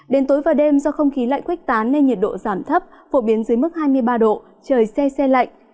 đến tối và đêm do không khí lạnh khuếch tán nên nhiệt độ giảm thấp phổ biến dưới mức hai mươi ba độ trời xe xe lạnh